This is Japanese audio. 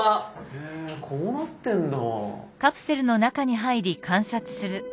へえこうなってんだ。